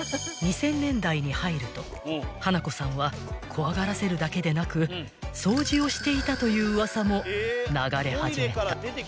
［２０００年代に入ると花子さんは怖がらせるだけでなく掃除をしていたという噂も流れ始めた］